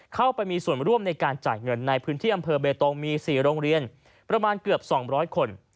เข้าไปมีส่วนร่วมในการจ่ายเงินในพื้นที่อำเภอเบตงมี๔โรงเรียนประมาณเกือบ๒๐๐คน